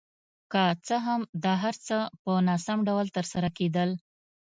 که څه هم دا هر څه په ناسم ډول ترسره کېدل.